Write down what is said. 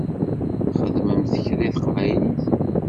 Txedmemt kra i teqbaylit?